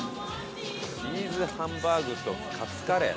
「チーズハンバーグとカツカレー？」